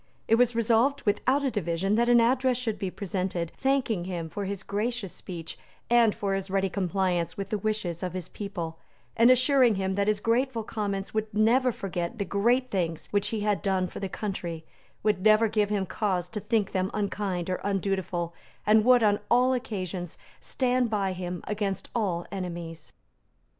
It was resolved without a division that an address should be presented, thanking him for his gracious speech and for his ready compliance with the wishes of his people, and assuring him that his grateful Commons would never forget the great things which he had done for the country, would never give him cause to think them unkind or undutiful, and would, on all occasions, stand by him against all enemies.